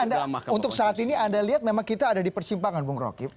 anda untuk saat ini anda lihat memang kita ada di persimpangan bung rocky